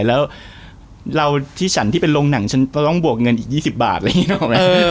แล้วเราที่ฉันที่เป็นโรงหนังฉันต้องบวกเงินอีก๒๐บาทอะไรอย่างนี้นึกออกไหม